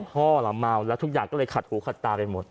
พ่อล่ะเมาแล้วทุกอย่างก็เลยขัดหูขัดตาไปหมด